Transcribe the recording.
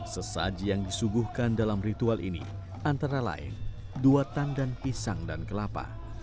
sesaji yang disuguhkan dalam ritual ini antara lain dua tandan pisang dan kelapa